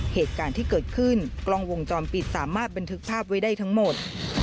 เหตุการณ์ที่เกิดขึ้นกล้องวงจรปิดสามารถบันทึกภาพไว้ได้ทั้งหมด